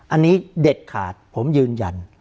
อันนี้เด็ดขาดผมยืนยัน